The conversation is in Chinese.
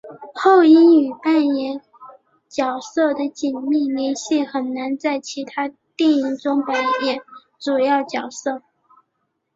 后因与扮演角色的紧密联系很难在其他电影扮演主要角色。